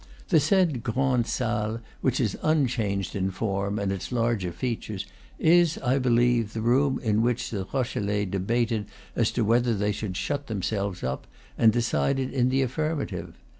The said grande salle, which is un changed in form and its larger features, is, I believe, the room in which the Rochelais debated as to whether they should shut themselves up, and decided in the affirmative.